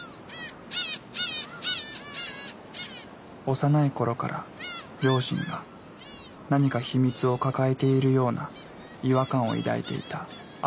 幼い頃から両親が何か秘密を抱えているような違和感を抱いていたアオイさん。